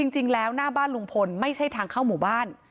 หน้าบ้านลุงพลไม่ใช่ทางเข้าหมู่บ้าน